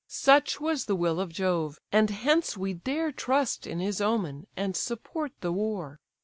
Such was the will of Jove; and hence we dare Trust in his omen, and support the war.